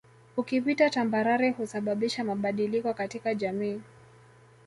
Ukipita tambarare husababisha mabadiliko katika jamii